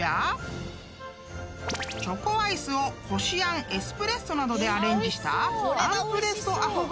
［チョコアイスをこしあんエスプレッソなどでアレンジした］